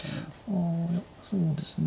あそうですね。